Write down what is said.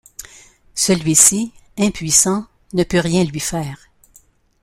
Celui-ci, impuissant, ne peut rien lui faire.